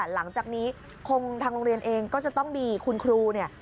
หลังจากนี้คงทางโรงเรียนเองก็จะต้องมีคุณครูเนี่ย